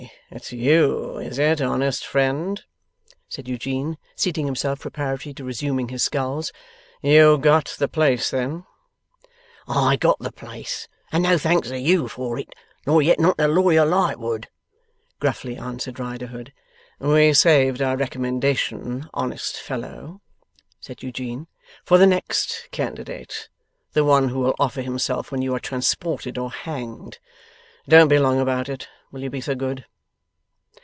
It's you, is it, honest friend?' said Eugene, seating himself preparatory to resuming his sculls. 'You got the place, then?' 'I got the place, and no thanks to you for it, nor yet none to Lawyer Lightwood,' gruffly answered Riderhood. 'We saved our recommendation, honest fellow,' said Eugene, 'for the next candidate the one who will offer himself when you are transported or hanged. Don't be long about it; will you be so good?